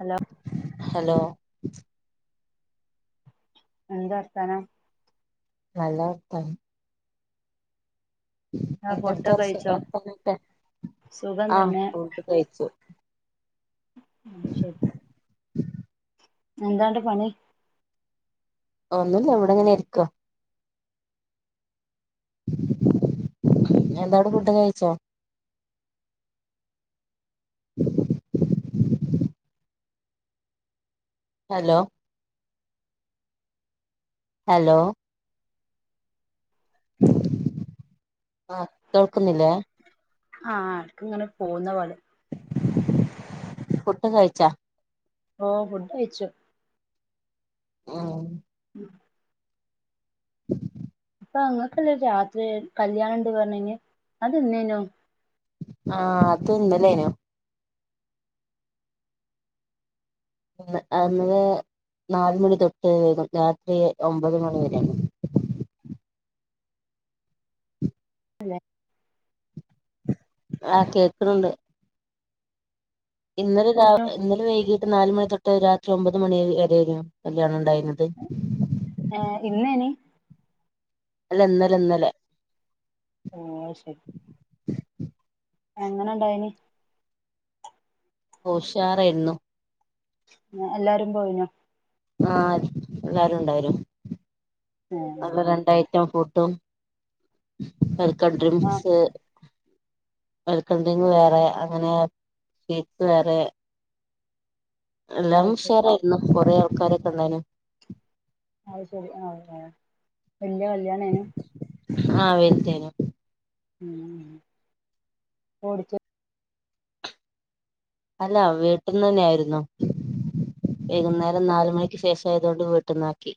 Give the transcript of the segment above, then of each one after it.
Hello hello എന്താർത്താനം നല്ല വർത്താനം ആ എന്താ ഫുഡൊക്കെ അവ്ട്‌ത്തെ കഴിച്ചോ വർത്താനം [unintelligible] സുഖം ആഹ് തന്നെ ഫുഡ് കഴിച്ചു ആഹ് ശരി എന്താണ്ട് പണി ഒന്നുല്ല ഇവടങ്ങനെയിരിക്ക എന്താണ് ഫുഡ് കഴിച്ചോ ഹലോ ഹലോ ആഹ് കേൾക്കുന്നില്ലേ ആഹ് എട്ക്ക്ങ്ങനെ പോവുന്ന വള് ഫുഡ്‌ കയ്ച്ചാ ഓ ഫുഡ് കഴിച്ചു ഓഹ് ഉം ഇപ്പൊ നിങ്ങക്കല്ലേ രാത്രി കല്യാണണ്ട് പർഞ്ഞീനെ അതെന്നേനോ ആഹ് അത് ഇന്നലേയെനു അന്ന് നാലുമണി തൊട്ട് രാത്രി ഒമ്പത് മണി വരെ [unintelligible] ആഹ് കേക്ക്ണ്ണ്ണ്ട് ഇന്നലെ രാ ഇന്നലെ വൈകീട്ട് നാലുമണി തൊട്ട് രാത്രി ഒമ്പത് മണി വരേയായിരുന്നു കല്ലിയാണം ഒണ്ടായത് [inaudible] ഏഹ് ഇന്ന് ഇനി അല്ല ഇന്നലെ ഇന്നലെ എന്നാ ശരി എങ്ങനെയുണ്ടായിനി ഉഷാരായിരുന്നു എല്ലാരും പോയിനോ ആഹ് എല്ലാരുംയുണ്ടായ്നു നല്ല രണ്ട് ഐറ്റെം ഫുഡും- ആ വെൽക്കംഡ്രിങ്ക്സ്- വെൽക്കംഡ്രിങ് വേറെ അങ്ങനെ സ്വീറ്റ്സ് വേറെ എല്ലാം അത് ശരി ഉഷാറായിരുന്നു കൊറേ ആൾക്കാരൊക്കെണ്ടായ്നു അയ് ശരി ആഹ് വല്യ കല്യാണേനു ആഹ് വെല്തേനു ഉം ഓടി [unintelligible] റ്റോറി അല്ല വീട്ടീന്ന് തന്നെയായിരുന്നു വൈകുന്നേരം നാല് മണിക്ക് ശേഷം ആയോണ്ട് വീട്ടിന്നാക്കി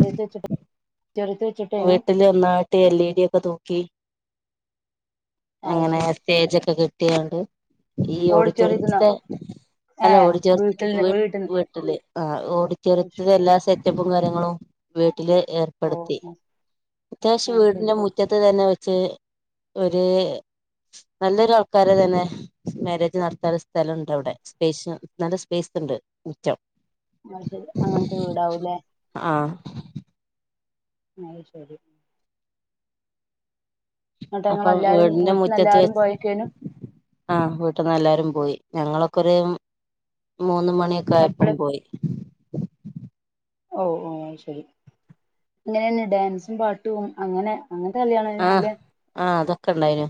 ചെലതേച്ചുട്ടാചെലത് [unintelligible] വീട്ടിലൊന്നായിട്ട് എൽ ഇ ഡി ഒക്കെ തൂക്കി അത് അങ്ങനെ ശരി സ്റ്റേജൊക്കെകെട്ടിങ്ങാണ്ട് ഈ ഓഡിറ്റോറിയത്തിന്നോ ഓഡിട്ടോറിയത്തിന്റെ - അല്ല ഏ വീട്ടിൽന്ന് ഓഡിറ്റോറിയത്തിലല്ല വീട്ടിന്ന് വീട്ടില് ആഹ് ഓ ഓഡിറ്റോറിയത്തില് ശരി എല്ലാ സെ റ്റപ്പുംകാര്യങ്ങളും വീട്ടില് ഓ ഏർപ്പെടുത്തി ഓ അത്യാവശ്യം അത് ശരി വീടിന്റെമു മുറ്റത്ത് തന്നെവെച്ച്- ഒരു നല്ലൊരാൾക്കാരെതന്നെ മാരേജ് നടത്താൻ - സ്ഥലവുണ്ടവിടെ സ്പേസ് നല്ല സ്പേസ്ണ്ട് മുറ്റം അത് ശരി അങ്ങനത്തെ വീടാവൂലേ ആഹ് അത് ശരി എന്നിട്ട് അപ്പൊ ഞങ്ങളെല്ലാരും വീടിന്റെ വീട്ടിൽന്ന് മുറ്റത്ത്- എല്ലാരും പോയക്കേനും ആഹ് വീട്ട്ന്നെല്ലാരും പോയി ഞങ്ങളൊക്കെരു മൂന്ന് മണിയൊക്കായപ്പോ എപ്പള് പോയി ഓഹ് ഓഹ് ശരി പിന്നെ ആണെങ്കിൽ ഡാൻസും പാട്ടും അങ്ങനെ- അങ്ങനത്തെ ആഹ് കല്യാണയിരുന്നില്ല ആഹ് അതൊക്കെണ്ടായിനു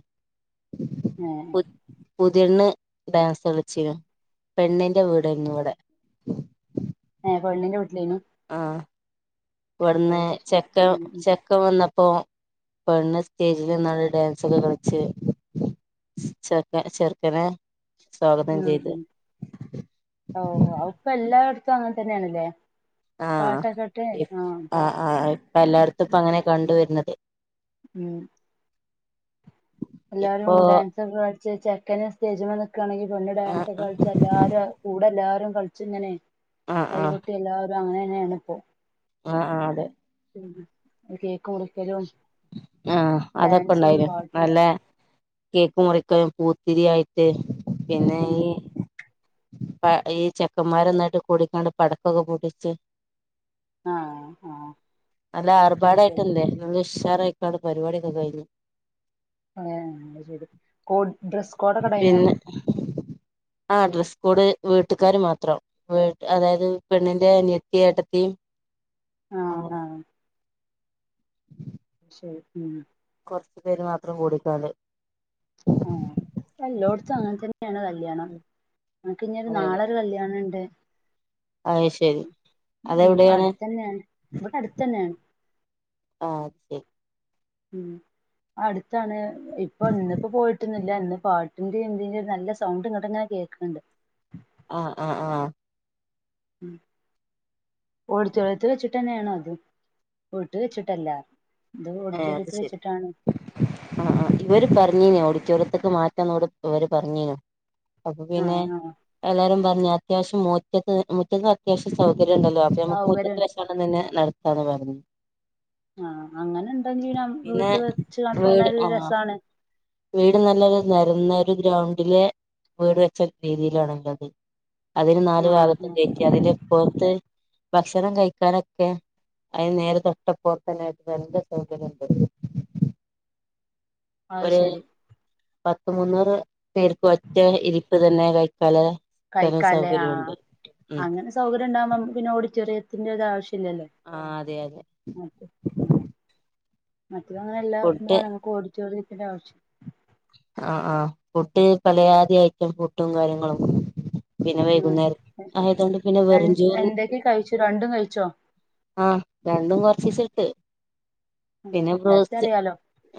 പുതിയ പെണ്ണ് ഡാൻസ് കളിച്ചിരുന്നു പെണ്ണിന്റെ വീട് ആയിരുന്നു അവിടെ ഏഹ് പെണ്ണിന്റെ വീട്ടിലേന്നു ആഹ് ഇവിടുന്ന് ശരി ചെക്കൻ ഉം ചെ ഉം ചെക്കൻ വന്നപ്പോ പെണ്ണ് സ്റ്റേജി നിന്നോണ്ട് ഡാൻസൊക്കെ കളിച്ചെ ചെറുക്കൻ ചെറുക്കന് ഉം ഉം ഓഹ് ഇപ്പൊ എല്ലാടത്തും അങ്ങനെ തന്നെയാണല്ലേ ആഹ് പാട്ടൊക്കെ ഇട്ട് ആ ആഹ് ആ ഇപ്പ എല്ലാട്ത്തും ഇപ്പ അങ്ങനെ കണ്ടുവരുന്നത് ഉം എല്ലാരു ഇപ്പൊ ഡാൻസൊക്കെ കളിച്ച് ചെക്കന സ്റ്റേജ്നിക്കുകയാണെങ്കി പെണ്ണ് ആ ഡാൻസൊക്കെ ആ കളിച് എല്ലാരും കൂടെല്ലാരും കളിച്ചഇങ്ങനെ ആ ആ കൈകൊട്ടി എല്ലാവരും അങ്ങനെ തന്നെയാണ് ഇപ്പോ ആഹ് ആഹ് അതെ കേക് മുറിക്കലും ആഹ് ഡാൻസും പാട്ടും അതൊക്കെണ്ടായിനുംനല്ല കേക്ക് മുറിക്കലും പൂത്തിരിയയിട്ട് പിന്നെഈ ഉം അ ഈ ചെക്കന്മാരന്നായിട്ട് കൂടിക്കാണ്ട് പടക്കൊക്കെ പൊടിച്ച് ആഹ് ആഹ് നല്ല അത് ആർപാടായിട്ട് ശരി ണ്ടയിന് നല്ല ഉഷാറായിക്കാണ്ട് പരിപാടൊക്കെ കഴിഞ്ഞു ഏഹ് അയ്ശെരി കോ ഡ്ഡ്രസ് കോടൊക്കെണ്ടായിനോ ആഹ് ഡ്രസ്സ്കോഡ് വീട്ടുകാര് മാത്രം വ് അതായത് പെണ്ണിന്റെ അനിയത്തി യേട്ടത്തി ആഹ് അങ്ങനെ ആഹ് ആഹ് ശെരി ഉം കൊറച്ചുപേര്മാത്രംകൂടിക്കാണ്ട് ആഹ് ഇപ്പം എല്ലോടത്തും അങ്ങനെ തന്നെണ് കല്യാണം ഞങ്ങകിഞ്ഞൊരു അതെ നാളെരു കല്യാണുണ്ട് അയ്ശെരി ഉം അതെവിടെയാണ് അടുത്തന്നെയാണ് ഇവിടെ അടുത്തന്നെയാണ് ആഹ് ശെരി ഉം അടുത്താണ് ഇപ്പൊ ഇന്നിപ്പോ പോയിട്ടുന്നില്ല ഇല്ല ഇന്ന്പാട്ടിന്റെ ന്തിന്റിം നല്ലസൗണ്ട് ഇങ്ങട്ട് ങ്ങനെകേൾക്ണ്ട് ആഹ് ആഹ് ആഹ് ഉം ഓഡിറ്റോറിയത്തിവെച്ചിട്ട് തന്നെയാണോ അത് വീട്ടിവെച്ചിട്ടല്ല ഇത് ഏ ഓഡിറ്റോറിയത്തി വെച്ചിട്ടാണ് ഉം ഇവര്പറഞ്ഞീനോ ഓഡിറ്റോറിയത്തേക്ക് മാറ്റാന്നോട് ഇവര് പറഞ്ഞീനു അപ്പൊപിന്നെ ആഹ് ആഹ് എല്ലാരും പറഞ് അത്യാവിശ്യം മുറ്റത്ത് മുറ്റത്ത് അത്യാവിശ്യം സൗകര്യം ഉണ്ടല്ലോ അപ്പോ നമക്ക് സൗകര്യം മുറ്റത്ത് അന്നന്നെ നടത്താന്ന് പറഞ് ആഹ് അങ്ങനെ ണ്ടങ്കി നമ്മ പിന്നെ വീട്ട് വെച്ച് നടത്ത്നത് വീട് ഒര് ആ രസമാണ് വീട് നല്ലൊരു നരന്നൊരു ഗ്രൗണ്ടിലെ വീട് വെച്ച രീതിയിലാണല്ലോ അത് അതിന് ആ നാല് ആ ഭാഗത്തും കയറ്റി അതില് പോറത്ത് ഭക്ഷണം കഴിക്കാനൊക്കെ അതിന് നേരെ തൊട്ടപ്പോറത്തന്നൊയിട്ട് രണ്ട് സ്വകര്യണ്ട് അത് ഒര് ശരി പത്ത് മുന്നൂറ് പേർക്ക് ഒറ്റ ഇരിപ്പ് തന്നെ കഴിക്കാല്ലേ കൈക്കാലേ ആഹ് അങ്ങനെ സൗകര്യം ഉണ്ടാകുമ്പോ പിന്നെ ഓഡിറ്റോറിയത്തിന്റെ ഒര് ആവിശ്യ ഇില്ലല്ലോ ആഹ് അതെ അതെ മറ്റേ ഫുഡ് അങ്ങനല്ലാക്കുമ്പോളാണ് ങ്ങൾക് ഒടിറ്റോറിയത്തിന്റെ ആവിശ്യം ആഹ് ആഹ് ഫുഡ് പലയാദി ഐറ്റം ഫുഡും കാര്യങ്ങളും പിന്നെ ഉം വൈകുന്നേരം ആയതൊണ്ട് പിന്നെ രൺ വെറുംചോറ് എന്തൊക്കെ കഴിച്ചു രണ്ടും കഴിച്ചോ ആഹ് രണ്ടും കൊറച്ചീച്ച ഇട്ട് ഉം. പിന്ന ടേസ്റ്റ് ബ്രോസ്റ്റ് അറിയാലോ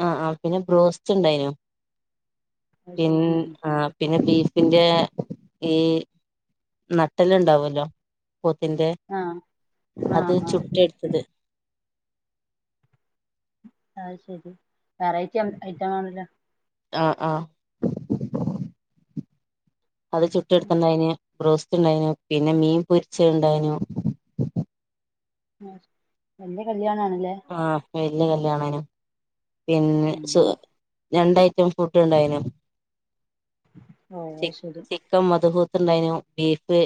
ആഹ് ആഹ് പിന്ന ബ്രോസ്റ്റ് ണ്ടായിനു അത് പിൻ ശരി ഉം ആഹ് പിന്ന ബീഫിന്റെ ഈ നട്ടല്ല് ണ്ടാവല്ലോ പോത്തിന്റെ ആ ആ അത് ആ ചുട്ട എടുത്തത് അഹ് ശരി വെറൈറ്റി ഐറ്റം ആണല്ലോ ആഹ് ആഹ് അത് ചുട്ട ഉം. എടുത്തുണ്ടായിനു ബ്രോസ്റ്റ് ണ്ടായിനു പിന്നെ മീൻ പൊരിച്ചെ ണ്ടായിനു വല്യാ കല്യാണാണ് ലെ ആഹ് വല്യാ കല്യാണെനും പിന്നെ ഉം ച്ചോ രണ്ട് ഐറ്റം ഫുഡ് ഇണ്ടായിനു ഓഹ് അയ്ശരി ച്ചിക്കൻ മധുഹൂത്ത് ഉണ്ടായിനു ബീഫ്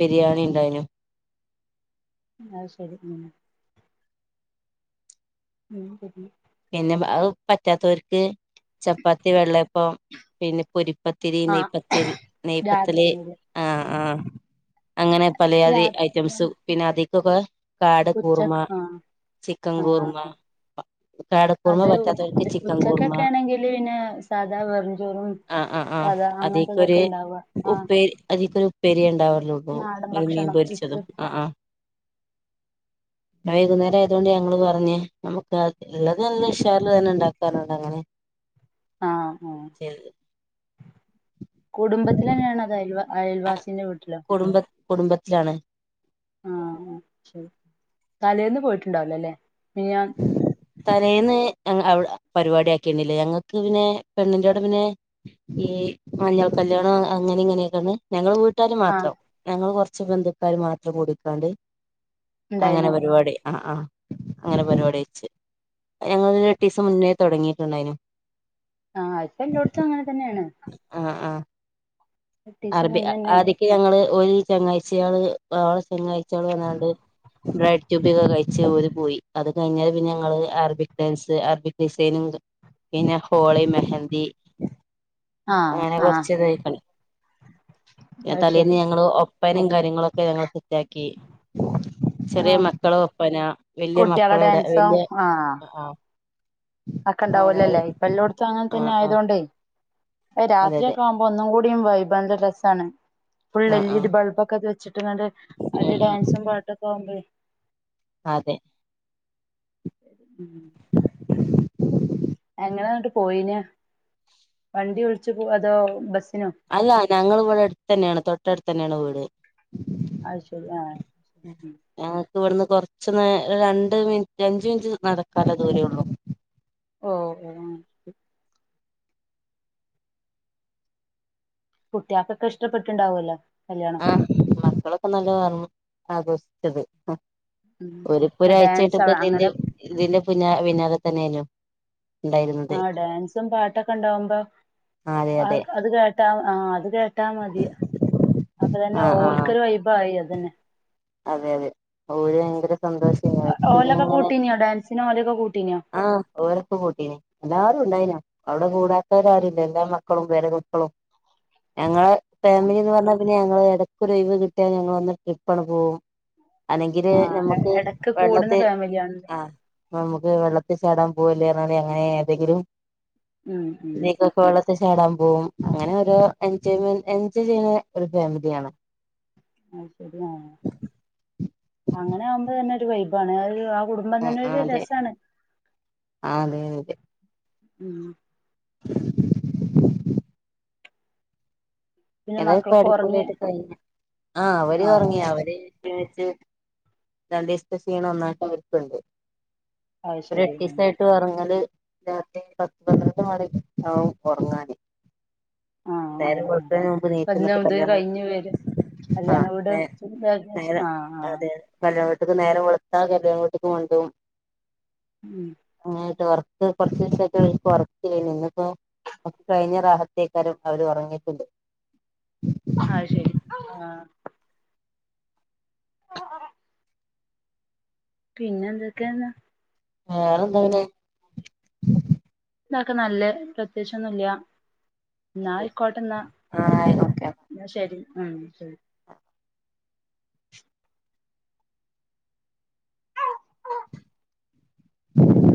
ബിരിയാണി ഉണ്ടായിനു അത് ശരിഉം മ്മ് പറഞ് [unintelligible] പിന്നെ അത് പറ്റത്തോ ര്ക്ക് ചപ്പാത്തി വെള്ളപ്പം പിന്നെ പൊരി പ്പത്തിരി നെയ് ആഹ് പ്പത്തിൽ നെയ്പത്തില് രാത്രിയില് ആഹ് ആഹ് അങ്ങനെ പലയാതി രാത്രിയാ ഐറ്റംസും പിന്നെ അതീക്കൊക്കെ ആട് കൂർമ ഉച്ചക്ക് ആഹ് ചിക്കൻകൂർമ്മ ആഹ് അത് ചിക്കൻ കൂർമ ഉച്ചക്കൊക്കെ ആണെങ്കിൽ പിന്നെ സാധാ വെറും ചോറും ആഹ് ആഹ് ആഹ് അതിക്കൊര് ആഹ് ഉപ്പേരി അതീക്ക്ഒരു ഉപ്പേരി ണ്ടാവുള്ളൂ പ്പോ നാടൻ ഒരു മീൻ ഭക്ഷണം ഇത് പൊരിച്ചതും ആഹ് ആഹ് വൈകുന്നേരം ആയതോണ്ട് ഞങ്ങള് പറഞ്ഞ് നമ്മക്കാത് ഇള്ളത് നല്ല ഉശാർല് തന്നെ ണ്ടാക്കാറുണ്ട് അങ്ങനെ ആഹ് ഉ കുടുംബത്തിലെന്നെണോ അതോ അയൽ അയൽവാസിന്റെ വീട്ടിലോ കുടുംബ കുടുംബത്തിലാണ് ആഹ് ശരി തലേന്ന് പോയിട്ടുണ്ടാവൂല ലെ മിനിയാന്ന് തലേന്ന് അങ്ങ് അവിടെ പരിപാടി ആക്കിന്നില്ല ഞങ്ങക്ക് പിന്നെ പെണ്ണി ന്റോടെ പിന്നെ ഈ മഞ്ഞൾ കല്യാണം അങ്ങനെ ഇങ്ങനെയൊക്കെ ഇണ്ട് ഞങ്ങള് വീട്ടാര് ആഹ് മാത്രം ഞങ്ങള് കൊറച്ച് ബന്ധുക്കാര് മാത്രം കൂ ടിക്കാണ്ട് അങ്ങന ഉണ്ടായിനു പരിപാടി ആഹ് ആഹ് അങ്ങനെ പരിപാടി വെച്ച് അത് ഞങ്ങള് എട്ടീസം മുന്നേ തോടങ്ങിയിട്ടുണ്ടായിനു ആഹ് ഇപ്പോ എല്ലോട്ത്തും അങ്ങനെ തന്നെയാണ് ആഹ് ആഹ് എട്ടീസം അറബി മുന്നന്നെ ആതിക്ക് ഞങ്ങള് ഒരു ചങ്ങാഴ്ച്ചിയാള് ഓളെ ചങ്ങായി ചിയാ ള്വവന്നാണ്ട് ബ്രഡ് റ്റു ബി ഒക്കെ കഴിച്ച് ഓര് പോയി അത് കഴിഞ്ഞാരെ പിന്ന ഞങ്ങള് അറബിക് ഡാൻസ് അറബിക് ഡിസൈനിങ് പിന്നെ ഹോളി മെഹന്തി ആഹ് ആഹ് അതെയ്ക്ക് [unintelligible] അത് ഞാതലേന്ന് ശരി ഞങ്ങള് ഒപ്പനേം കാര്യങ്ങളൊക്കെ ഞങ്ങള് സെറ്റാക്കി ചെറിയ ആഹ് മക്കള ഒപ്പനാ വല്യ കുട്ടികളെ മക്കളുടെ ഡാൻസോ വല്യ ആ അക്കണ്ടവോലല്ലഇപ്പ എല്ലോടത്തും അങ്ങനെത്തന്നെ ആഹ് ആഹ് ആയതോണ്ടേ പ്പ അതെ അതെ രാത്രിയൊക്കെയാവുമ്പ ഇപ്പ ഒന്നും കൂടിയും വൈബാണ് നല്ല രസാണ് ഫുൾ എൽ ആഹ് ഇ ഡി ആഹ് ബൾബക്കെ കെച്ചിട്ട് നല്ലെ ഉം നല്ല ഉം ഡാൻസും പാട്ടൊക്കെ യാവുമ്പഴേ അതെ ഉം എങ്ങനെന്നിട്ട് പോയിന് വണ്ടി വിളിച്ചുപോ അതോ ബസിനോ? അല്ല ഞങ്ങള് വിടെ അടുത്തന്നെണ് തൊട്ടടുത്തന്നെണ് വീട് അത് ശരി ആഹ് ഞങ്ങക്ക് ഇവിടുന്ന് കൊറച്ച് നേ രണ്ട് മിനിറ്റ് അഞ്ച് മിനിറ്റ് നടക്കാല്ല ദൂരേള്ളൂ ഓഹ് ഹും കുട്ട്യാക്കൊക്കെ ഇഷ്ടപ്പെട്ടിണ്ടാവല്ലോ ആഹ് മക്കളൊക്കെ നല്ല [unintelligible] ആഘോഷിച്ചത് ഉം ഓര് ഇപ്പൊരാഴ്ചയായിട്ട് ഡാൻസ് ഇപ്പതിന്റെ അങ്ങനെ ഇതിന്റെ പിന്നാലെ പിന്നാലെത്തന്നായിനു ആഹ് ഡാൻസും പാട്ടൊക്കെണ്ടാവുമ്പം അതെ അതെ ആർക്ക്‌ അത് കേട്ടാ ആഹ് അത് കേട്ടാ മതി അപ്പന്നെ ആഹ് ഓൽക്കൊരു വൈബായി അതന്നെ അതെയതെ ഓല് ഭയങ്കര സന്തോഷ ഒ ഓലക്കെ കൂട്ടീനോ ഡാൻസിനോ ഓലൊക്കെ കൂട്ടീനോ ആഹ് ഓലൊക്കെ കൂട്ടീനിം ല്ലാരും ഉണ്ടായിനു അവിടെ കൂടാത്തവരാരുല്ല എല്ലാ മക്കളും പേര മക്കളും ഞങ്ങളെ ഉം ഫാമിലി എന്ന് പറഞ്ഞാ പിന്നെ ഞങ്ങള് ഇടക്കൊരൊഴിവ് കിട്ടിയാ ഞങ്ങളൊന്ന് ട്രിപ്പണ് പോവും അലെങ്കില് ആഹ് നമ്മുക്ക് എടക്ക് കൂടുന്ന വെള്ളത്തി ഫാമിലിയാണ് ആഹ് നമുക്ക് വെള്ളത്തിചാടാൻ പോവല്ലേ അറിഞ്ഞാണ്ട് അങ്ങനെ ഏതെങ്കിലും ഉം ഉം ഇതീക്ക് വെള്ളത്തി ചാടാമ്പോവും അങ്ങനെ ഓരോ എൻജോയ്മെന്റ് എൻജോയ് ചെയ്യുന്ന ഒരു ഫാമിലിയാണ് അഹ് ശരിയാണ് അങ്ങനെ ആകുമ്പോ തന്നെ ഒരു വൈബാണ് അത് ഒര് ആ കുടുംബ ടുംബം ആഹ് തന്നൊരു ആഹ് അതെ രസാണ് ആഹ് തേ ഊം പിന്നെ ഏതായാലും ഇപ്പ മക്കളൊക്കെ ഒറങ്ങി അടിപൊളിയായിട്ട് കയിഞ്ഞു ആഹ് ഓല് ഉറങ്ങിയാ അത് ഓല് ശരി ത്യേച്ച് രണ്ടീസ്ത്ത ക്ഷീണം ഒന്നായിട്ട് അവർക്കുണ്ട് അത് ശരി ആഹ് ഒരെട്ടീസം ട്ട്റങ്ങല് രാത്രി പത്ത് പന്ത്രണ്ട് മണിയാവും ഉറങ്ങാന് ആഹ് നേരം ആഹ് ആഹ് വെളുത്തതിന് നുമ്പ് നീച്ച് ന്നിട്ട് കല്യാണ കല്യാണവീട് [unintelligible] ആഹ് ആഹ് കല്യാണവീട്ട്ക്ക് നേരം വെളുത്താ കല്യാണവീട്ടിക്ക് മണ്ടും ഊം ങ്ങനയിട്ട് ഉറക്ക് കൊറച്ച് ദിവസയിട്ട് ഇവൽക്ക് ഉറക്കില്ലയിരുന്നു ഇന്നിപ്പോ ഒക്കെഴിഞ് റാഹത്തേക്കാരം അവര് ഒറങ്ങീട്ട്ണ്ട് അഹ് ശരി ആഹ് [unintelligible] പിന്നെന്തെക്കേന്ന വേറെന്താ പിന്നെ ന്നാ ഒക്കെ നല്ലെ പ്രത്യേകിച്ചൊന്നുല്ല ന്നായി ക്കോട്ടെന്നാ ആഹ് ഓക്കെ ന്നാ ശരി ഉം ശരി ഉ